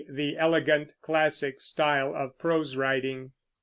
the elegant, classic style of prose writing.